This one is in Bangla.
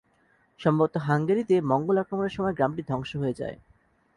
সম্ভবত হাঙ্গেরীতে মঙ্গোল আক্রমণের সময় গ্রামটি ধ্বংস হয়ে যায়।